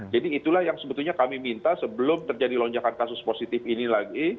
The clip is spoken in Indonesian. jadi itulah yang sebetulnya kami minta sebelum terjadi lonjakan kasus positif ini lagi